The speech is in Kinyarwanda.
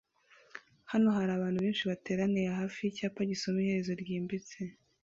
Hano hari abantu benshi bateraniye hafi yicyapa gisoma Iherezo ryimbitse